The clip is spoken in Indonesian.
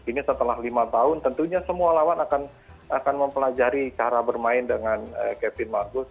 ini setelah lima tahun tentunya semua lawan akan mempelajari cara bermain dengan kevin marcus